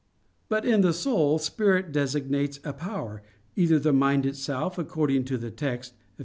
But in the soul, spirit designates a power either the mind itself, according to the text (Eph.